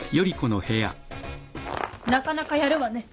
なかなかやるわね。